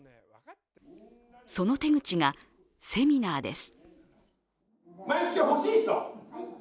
その手口がセミナーです。